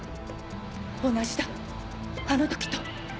同じだあの時と